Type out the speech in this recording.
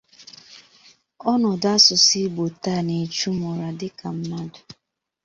ọnọdụ asụsụ Igbo taa na-echu m ụra dịka mmadụ